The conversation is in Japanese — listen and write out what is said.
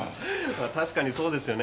確かにそうですよね。